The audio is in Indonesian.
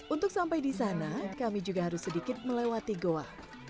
untuk sampai di sana kami juga harus sedikit melewati goa